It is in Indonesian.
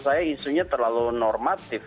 saya isunya terlalu normatif